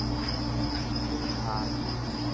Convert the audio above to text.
水轉跤